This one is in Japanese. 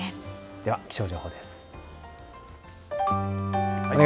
では気象情報です。